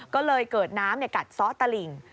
ก็เลยเกิดน้ำกัดซ้อตลิ่ง